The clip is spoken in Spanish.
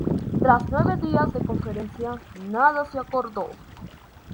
Tras nueve días de conferencias, nada se acordó.